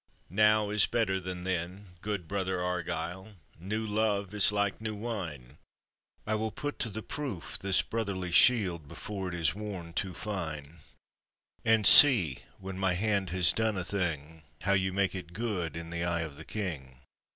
"Now is better than then; good brother Argyle, New love is like new wine; I will put to the proof this brotherly shield, Before it is worn too fine, And see when my hand has done a thing, How you make it good in the eye of the king."